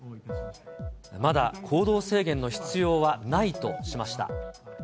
まだ行動制限の必要はないとしました。